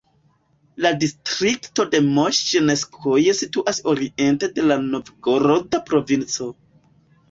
La distrikto de Moŝenskoje situas oriente de la Novgoroda provinco.